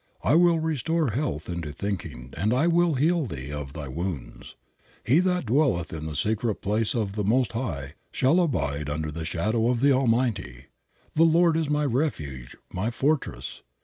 I will restore health into thinking and I will heal thee of thy wounds." "He that dwelleth in the secret place of the Most High shall abide under the shadow of the Almighty," "The Lord is my refuge, my fortress.